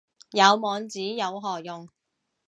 有網址有何用